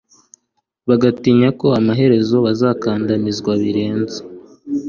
bagatinya ko amaherezo bazakandamizwa birenze